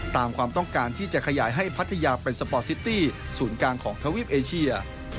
ตามความต้องการที่จะขยายให้พัทยาเป็นสปอร์ตซิตี้ศูนย์กลางของทวีปเอเชีย